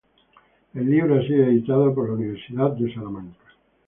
El libro ha sido editado por la Universidad de Salamanca.